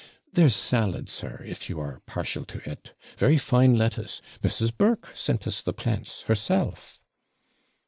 There's salad, sir, if you are partial to it. Very fine lettuce. Mrs. Burke sent us the plants herself.'